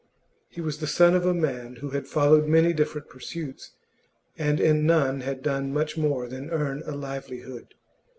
He was the son of a man who had followed many different pursuits, and in none had done much more than earn a livelihood.